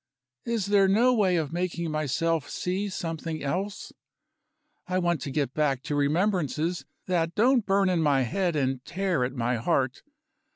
Is there no way of making myself see something else? I want to get back to remembrances that don't burn in my head and tear at my heart.